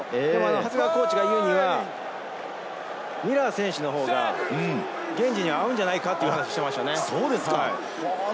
長谷川コーチが言うにはミラー選手のほうがゲンジに合うんじゃないかという話をしていましたね。